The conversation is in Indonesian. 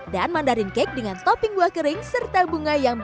dan mandarin cake dengan topping buah kering serta bunga yang bijak